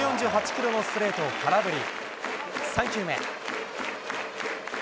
１４８キロのストレートを空振り。